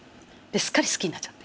ですっかり好きになっちゃって。